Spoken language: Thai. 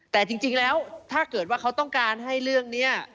แต่จริงแล้วถ้าเกิดว่าเขาต้องการให้เรื่องนี้